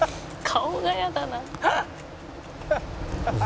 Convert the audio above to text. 「顔が嫌だな」